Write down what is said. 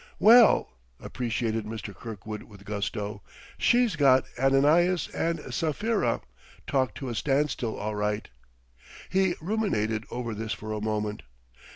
"Well," appreciated Mr. Kirkwood with gusto, "she's got Ananias and Sapphira talked to a standstill, all right!" He ruminated over this for a moment.